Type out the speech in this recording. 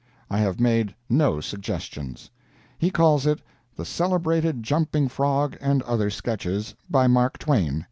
I have made no suggestions. He calls it "THE CELEBRATED JUMPING FROG, AND OTHER SKETCHES, by 'Mark Twain.'